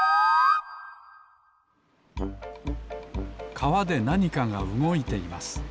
かわでなにかがうごいています